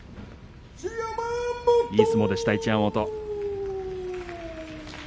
いい相撲でした、一山本。